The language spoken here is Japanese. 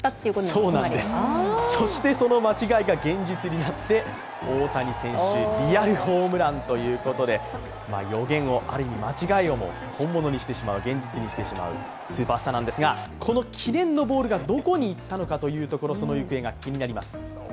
そうなんです、そしてその間違いが現実になって大谷選手リアルホームランということで予言をある意味、間違いをも本物にしてしまう、現実にしてしまうスーパースターなんですがこの記念のボールがどこに行ったのかというと行方が気になります。